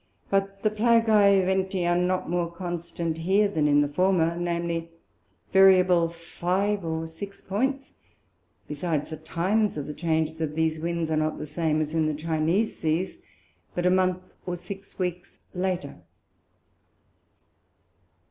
but the plagæ venti are not more constant here than in the former, viz. variable five or six Points; besides the times of the Change of these Winds, are not the same as in the Chinese Seas, but about a Month or six Weeks later.